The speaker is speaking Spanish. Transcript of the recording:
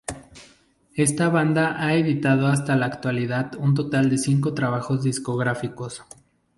Esta banda ha editado hasta la actualidad un total de cinco trabajos discográficos.